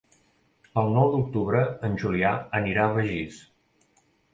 El nou d'octubre en Julià anirà a Begís.